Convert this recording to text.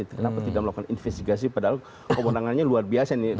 kenapa tidak melakukan investigasi padahal kewenangannya luar biasa nih